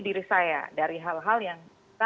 diri saya dari hal hal yang